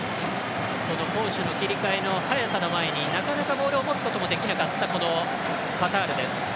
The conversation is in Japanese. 攻守の切り替えの速さの前になかなかボールを持つこともできなかったカタールです。